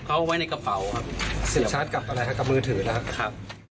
เขาไว้ในกระเป๋าครับเสียชัดกับอะไรครับกับมือถือนะครับ